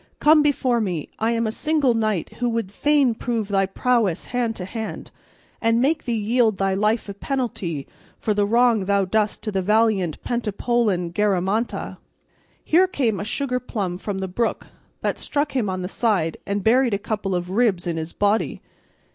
Come before me; I am a single knight who would fain prove thy prowess hand to hand, and make thee yield thy life a penalty for the wrong thou dost to the valiant Pentapolin Garamanta." Here came a sugar plum from the brook that struck him on the side and buried a couple of ribs in his body.